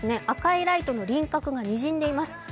赤いライトの輪郭がにじんでいます。